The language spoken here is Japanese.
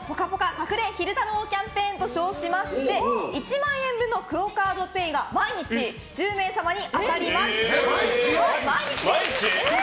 隠れ昼太郎キャンペーンと称して１万円分のＱＵＯカードＰａｙが毎日１０名様に当たります！